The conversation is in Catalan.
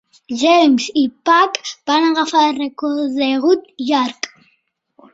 James i Pat van agafar el recorregut llarg.